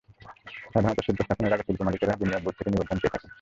সাধারণত শিল্প স্থাপনের আগে শিল্পমালিকেরা বিনিয়োগ বোর্ড থেকে নিবন্ধন নিয়ে থাকেন।